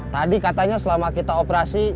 tadi katanya selama kita operasi